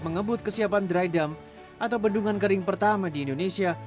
mengebut kesiapan dry dump atau bendungan kering pertama di indonesia